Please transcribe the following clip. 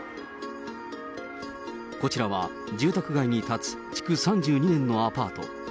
こちらは住宅街に建つ築３２年のアパート。